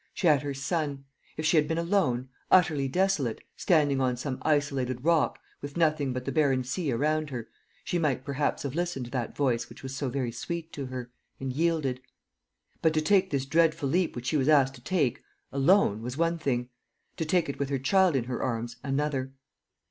She had her son. If she had been alone, utterly desolate, standing on some isolated rock, with nothing but the barren sea around her, she might perhaps have listened to that voice which was so very sweet to her, and yielded. But to take this dreadful leap which she was asked to take, alone, was one thing; to take it with her child in her arms, another.